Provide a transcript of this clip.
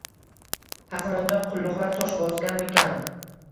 Har zamonda qulluqlar tosh bosganmikan?